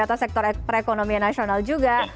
atau sektor perekonomian nasional juga